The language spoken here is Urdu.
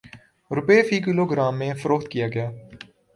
روپے فی کلو گرام میں فروخت کیا گیا